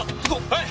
はい！